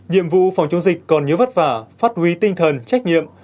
nhiệm vụ phòng chống dịch còn nhiều vất vả phát huy tinh thần trách nhiệm